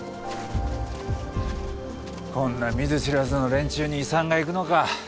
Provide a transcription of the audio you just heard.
こんな見ず知らずの連中に遺産がいくのか。